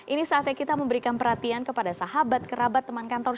ini saatnya kita memberikan perhatian kepada sahabat kerabat teman kantor